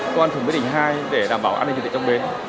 công an thủng bến đỉnh hai để đảm bảo an ninh trật tự trong bến